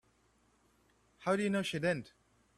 How do you know she didn't?